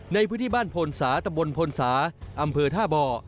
ในพื้นที่บ้านพลสาตะบนพลสาอำเภอท่าบ่อ